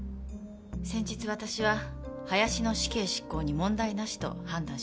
先日私は林の死刑執行に問題なしと判断しました。